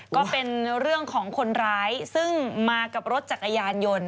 ก็เป็นเรื่องของคนร้ายซึ่งมากับรถจักรยานยนต์